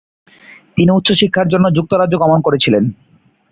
তিনি উচ্চশিক্ষার জন্য যুক্তরাজ্য গমন করেছিলেন।